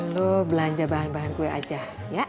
lo belanja bahan bahan kue aja